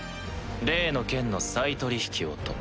「例の件の再取り引きを」と。